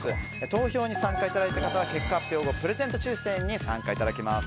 投票に参加いただいた方は結果発表後プレゼント抽選に参加いただけます。